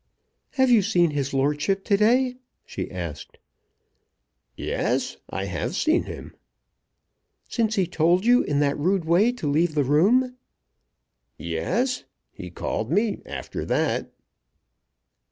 "Have you seen his lordship to day?" she asked. "Yes; I have seen him." "Since he told you in that rude way to leave the room?" "Yes, he called me after that."